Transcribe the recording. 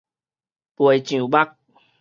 袂上目